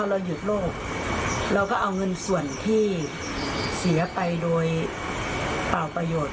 เราหยุดโลกเราก็เอาเงินส่วนที่เสียไปโดยเปล่าประโยชน์